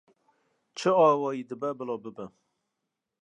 Çi awayî dibe bila bibe